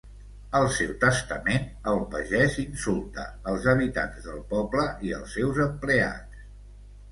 Al seu testament, el pagès insulta els habitants del poble i els seus empleats.